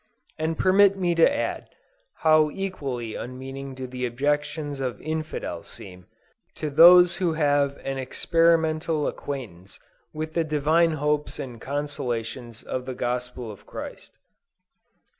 And permit me to add, how equally unmeaning do the objections of infidels seem, to those who have an experimental acquaintance with the divine hopes and consolations of the Gospel of Christ.